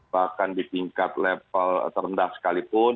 bahkan di tingkat level terendah sekalipun